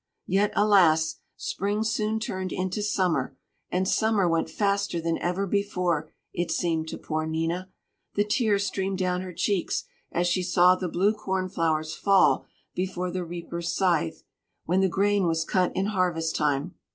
Yet, alas! Spring soon turned into summer, and summer went faster than ever before, it seemed to poor Nina. The tears streamed down her cheeks, as she saw the blue cornflowers fall before the reaper's scythe, when the grain was cut in harvest time.